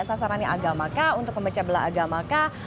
sasarannya agama kah untuk memecah belah agama kah